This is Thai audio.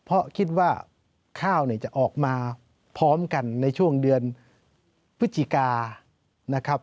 เพราะคิดว่าข้าวจะออกมาพร้อมกันในช่วงเดือนพฤศจิกา